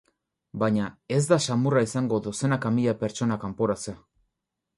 Baina, ez da samurra izango dozenaka mila pertsona kanporatzea.